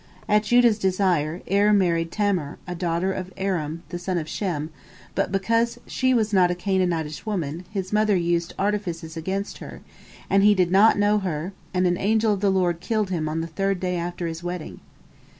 At Judah's desire, Er married Tamar, a daughter of Aram, the son of Shem, but because she was not a Canaanitish woman, his mother used artifices against her, and he did not know her, and an angel of the Lord killed him on the third day after his wedding.